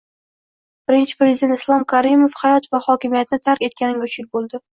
Birinchi Prezident Islom Karimov hayot va hokimiyatni tark etganiga uch yil bo'ldi